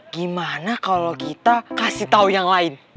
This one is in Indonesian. gimana kalau kita kasih tahu yang lain